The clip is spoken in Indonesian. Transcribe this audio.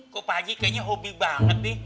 kok pak ji kayaknya hobi banget nih